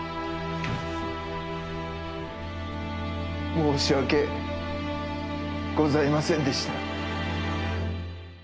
申し訳ございませんでした